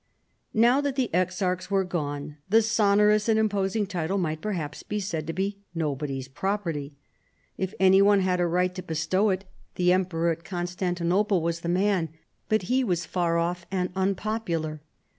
Now that the exarchs were gone, the sonorous and imposing title might perhaps be said to be nobody's property. If any one had a right to bestow it the emperor at Constantinople 94 CHARLEMAGNE. was the man : but be was far off and unpopular.